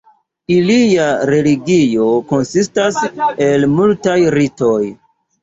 Ilia religio konsistas el multaj ritoj.